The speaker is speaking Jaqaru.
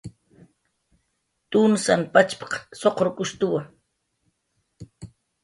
"Tunsan pachp""q suqurkushtuwa"